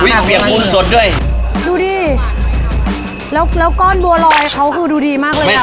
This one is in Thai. อุ้ยเปียกปูนสดด้วยดูดิแล้วก้อนบัวรอยเขาคือดูดีมากเลย